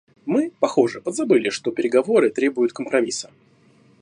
Мы, похоже, подзабыли, что переговоры требует компромисса.